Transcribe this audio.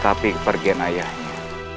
tapi pergin ayahnya